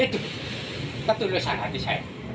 itu ketulusan hati saya